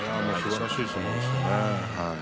すばらしい相撲でしたね。